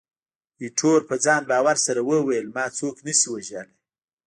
ایټور په ځان باور سره وویل، ما څوک نه شي وژلای.